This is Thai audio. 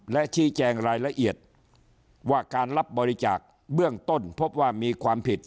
และชี้แจงรายละเอียดว่าการรับบริจาคเบื้องต้นพบว่ามีความผิด